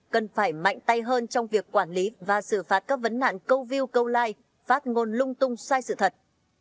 cần phải mạnh tay hơn trong việc quản lý và xử phạt các vấn nạn câu view câu like phát ngôn lung tung sai sự thật